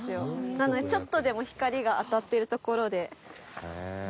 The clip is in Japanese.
なのでちょっとでも光が当たってるところで。